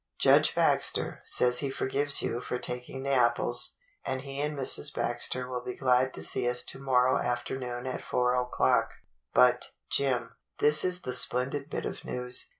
Judge Baxter says he forgives you for taking the apples, and he and Mrs. Baxter will be glad to see us to morrow afternoon at four o'clock. But, Jim, this is the splendid bit of news.